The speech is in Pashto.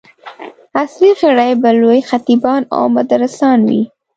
اصلي غړي به لوی خطیبان او مدرسان وي.